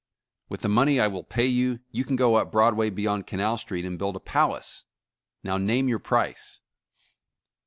With the money I will pay you, you can go up Broadway beyond Canal Street, and build a palace. Now name your price.